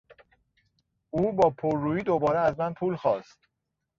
او با پررویی دوباره از من پول خواست.